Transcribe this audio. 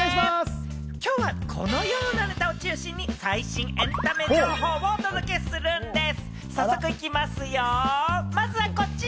今日はこのようなネタを中心に最新エンタメ情報をお届けするんです。